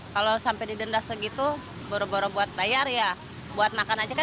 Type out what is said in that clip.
kalau sampai didenda segitu baru baru buat bayar ya buat makan aja kak